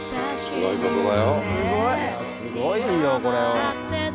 すごいよこれは。